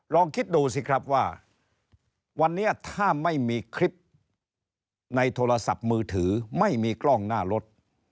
ลองคิดดูสิครับว่าวันนี้ถ้าไม่มีคลิปในโทรศัพท์มือถือไม่มีกล้องหน้ารถ